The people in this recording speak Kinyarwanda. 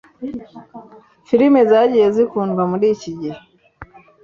Filimi zagiye zikundwa murii iki gihe